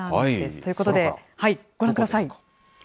ということで、ご覧ください。